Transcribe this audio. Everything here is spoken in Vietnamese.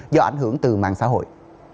do ảnh hưởng từ mạng xã hội